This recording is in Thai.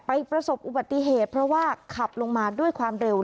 ประสบอุบัติเหตุเพราะว่าขับลงมาด้วยความเร็ว